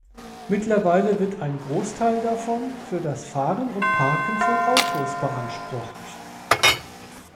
Mittlerweile wird ein Großteil davon für das Fahren und Parken von Autos beansprucht.